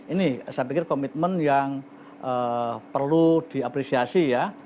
ini saya pikir komitmen yang perlu diapresiasi ya